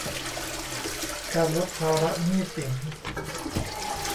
การลดภาระหนี้สิน